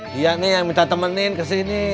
dia nih yang minta temenin kesini